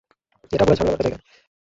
এটা পুরো ঝামেলামার্কা জায়গা।